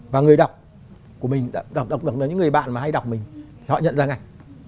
và người đọc của mình đọc là những người bạn mà hay đọc mình họ nhận ra ngay